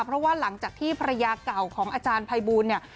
เพราะว่าหลังจากที่ภรรยาเก่าของอาจารย์ภัยบูลเนี่ย